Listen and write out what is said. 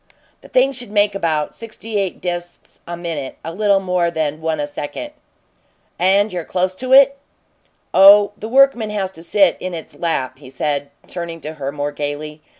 "The thing should make about sixty eight disks a minute a little more than one a second." "And you're close to it?" "Oh, the workman has to sit in its lap," he said, turning to her more gaily.